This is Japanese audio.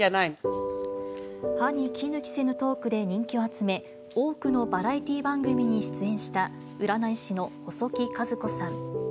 歯にきぬ着せぬトークで人気を集め、多くのバラエティー番組に出演した、占い師の細木数子さん。